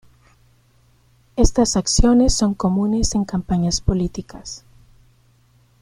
Estas acciones son comunes en campañas políticas.